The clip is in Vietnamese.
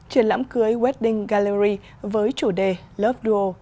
trần lãm cưới wedding gallery với chủ đề love duel